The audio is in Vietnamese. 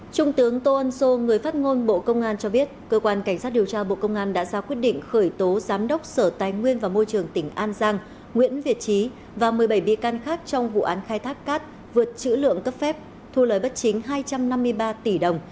trung tướng tô ân sô người phát ngôn bộ công an cho biết cơ quan cảnh sát điều tra bộ công an đã ra quyết định khởi tố giám đốc sở tài nguyên và môi trường tỉnh an giang nguyễn việt trí và một mươi bảy bi can khác trong vụ án khai thác cát vượt chữ lượng cấp phép thu lời bất chính hai trăm năm mươi ba tỷ đồng